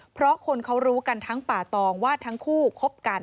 เพราะคนเขารู้กันทั้งป่าตองว่าทั้งคู่คบกัน